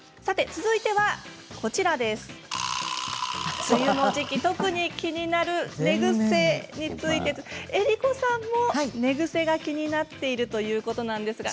続いては梅雨の時期特に気になる寝ぐせについて江里子さんも寝ぐせが気になっているということなんですが。